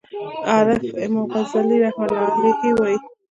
الف : امام غزالی رحمه الله وایی